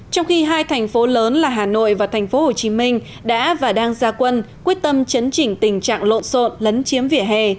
trong khi hai thành phố lớn là hà nội và tp hcm đã và đang ra quân quyết tâm chấn chỉnh tình trạng lộn xộn lấn chiếm vỉa hè